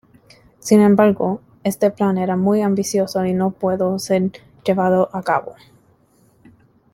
Sin embargo, este plan era muy ambicioso y no pudo ser llevado a cabo.